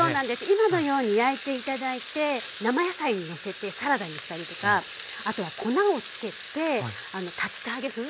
今のように焼いて頂いて生野菜にのせてサラダにしたりとかあとは粉をつけて竜田揚げ風。